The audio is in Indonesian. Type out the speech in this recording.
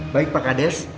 baik pak kades